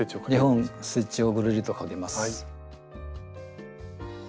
２本ステッチをぐるりとかけます。